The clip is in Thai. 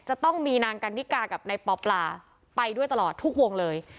จะต้องมีนางกันนิกากับนายปอปลาไปด้วยตลอดทุกวงเลย